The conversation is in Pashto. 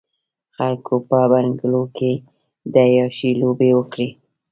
خلکو په بنګلو کې د عياشۍ لوبې وکړې.